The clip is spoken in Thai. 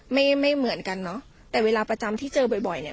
ไม่ไม่เหมือนกันเนอะแต่เวลาประจำที่เจอบ่อยบ่อยเนี่ย